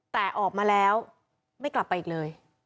แต่ออกมาแล้วไม่กลับไปอีกเลย